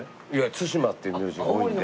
「つしま」っていう名字が多いので。